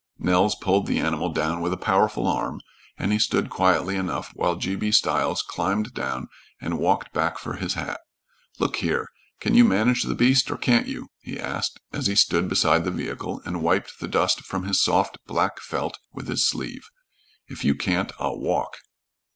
Nels pulled the animal down with a powerful arm, and he stood quietly enough while G. B. Stiles climbed down and walked back for his hat. "Look here! Can you manage the beast, or can't you?" he asked as he stood beside the vehicle and wiped the dust from his soft black felt with his sleeve. "If you can't, I'll walk."